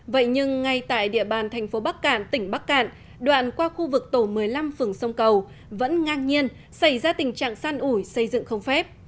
vậy nhưng ngay tại địa bàn thành phố bắc cạn tỉnh bắc cạn đoạn qua khu vực tổ một mươi năm phường sông cầu vẫn ngang nhiên xảy ra tình trạng san ủi xây dựng không phép